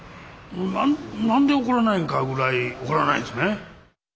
何で怒らないのかぐらい怒らないですね。